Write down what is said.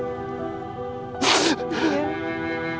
dia rumah akan terus bepukakan